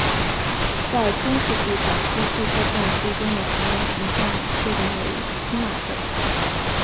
在中世纪早期粟特葬具中的桥梁形象已确定为钦瓦特桥。